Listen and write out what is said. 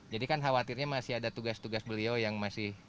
jadi kan khawatirnya masih ada tugas tugas beliau yang masih